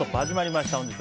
始まりました。